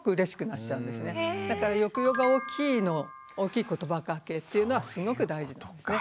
だから抑揚が大きい言葉がけっていうのはすごく大事なんですね。